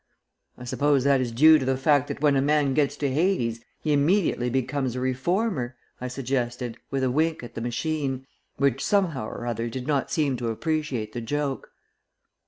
"I suppose that is due to the fact that when a man gets to Hades he immediately becomes a reformer," I suggested, with a wink at the machine, which somehow or other did not seem to appreciate the joke.